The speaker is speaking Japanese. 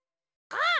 あ！